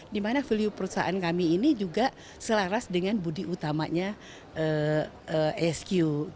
dimana value perusahaan kami ini juga selaras dengan budi utamanya esq